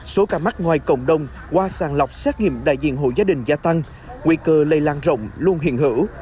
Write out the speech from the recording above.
số ca mắc ngoài cộng đồng qua sàng lọc xét nghiệm đại diện hộ gia đình gia tăng nguy cơ lây lan rộng luôn hiện hữu